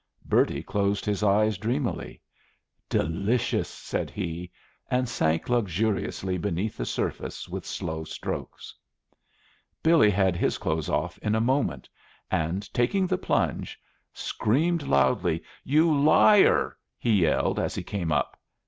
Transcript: Bertie closed his eyes dreamily. "Delicious," said he, and sank luxuriously beneath the surface with slow strokes. Billy had his clothes off in a moment, and, taking the plunge, screamed loudly "You liar!" he yelled, as he came up.